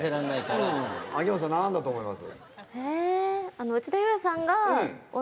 秋元さん何だと思います？